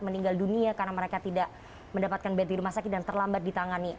meninggal dunia karena mereka tidak mendapatkan bed di rumah sakit dan terlambat ditangani